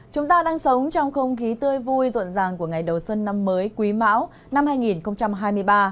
chúng ta đang sống trong không khí tươi vui rộn ràng của ngày đầu xuân năm mới quý mão năm hai nghìn hai mươi ba